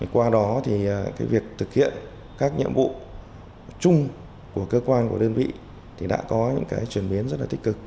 qua đó thì việc thực hiện các nhiệm vụ chung của cơ quan của đơn vị thì đã có những cái chuyển biến rất là tích cực